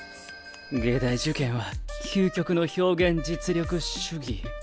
藝大受験は究極の表現実力主義。